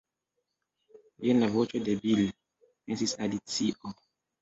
"jen la voĉo de Bil," pensis Alicio.